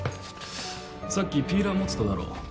さっきピーラー持ってただろ？